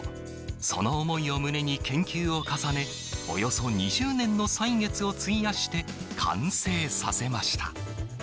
その思いを胸に研究を重ね、およそ２０年の歳月を費やして完成させました。